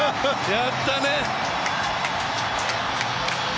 やったね。